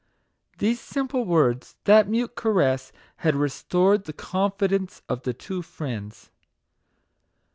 These simple words, that mute caress, had restored the confidence of the two friends.